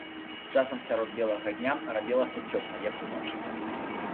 Часам сярод белага дня рабілася цёмна, як уночы.